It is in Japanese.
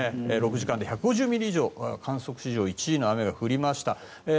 ６時間で１５０ミリ以上観測史上１位の雨が降りました。